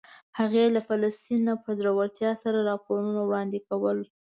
هغې له فلسطین نه په زړورتیا سره راپورونه وړاندې کول.